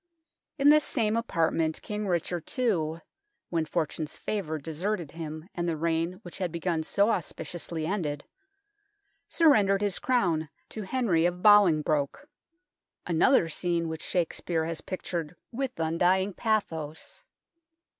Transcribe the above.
In this same apartment King Richard II, when fortune's favours deserted him, and the reign which had begun so auspiciously ended, surrendered his crown to Henry of Bolingbroke another scene which Shake speare has pictured with undying pathos.